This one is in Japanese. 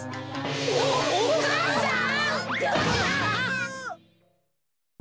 おお母さん！？